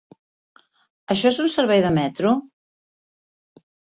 Això és un servei de metro?